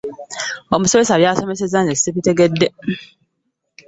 Omusomesa byasomeseza nze sibitegedde.